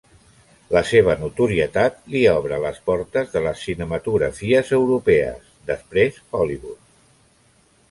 La seva notorietat li obre les portes de les cinematografies europees, després Hollywood.